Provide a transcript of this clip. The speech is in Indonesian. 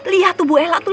lihat tuh bu ella tuh